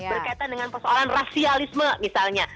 berkaitan dengan persoalan rasialisme misalnya